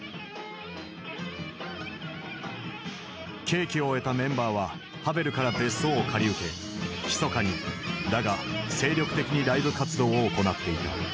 刑期を終えたメンバーはハヴェルから別荘を借り受けひそかにだが精力的にライブ活動を行っていた。